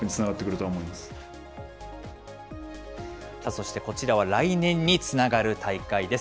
そしてこちらは来年につながる大会です。